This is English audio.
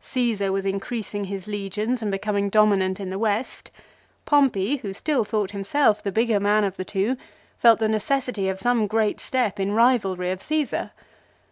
Caesar was increasing his legions and becoming dominant in the West. Pompey, who stOl thought himself the bigger man of the two, felt the necessity of some great step in rivalry of Caesar.